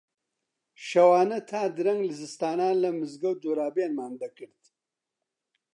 شەوانە تا درەنگ زستانان لە مزگەوت جۆرابێنمان دەکرد